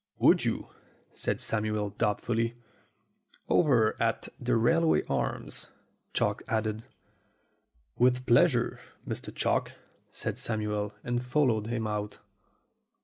"Would you?" said Samuel doubtfully. "Over at 'The Railway Arms,' " Chalk added. "With pleasure, Mr. Chalk," said Samuel, and fol lowed him out.